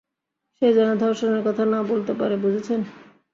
সে যেন ধর্ষণের কথা না বলতে পারে, বুঝেছেন?